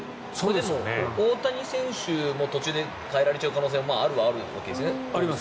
でも、大谷選手も途中で代えられる可能性もあるはあるんですね。